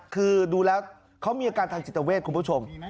คือดูแล้วเขามีอาการทางจิตเวทคุณผู้ชม